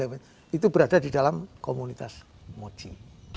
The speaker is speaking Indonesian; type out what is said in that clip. itu berada di dalam komunitas mochi